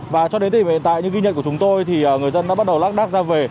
và cho đến tới điểm hiện tại như ghi nhận của chúng tôi thì người dân đã bắt đầu lắc đắc ra về